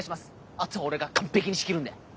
あとは俺が完璧に仕切るんで！